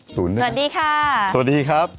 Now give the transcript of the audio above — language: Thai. สวัสดีค่ะ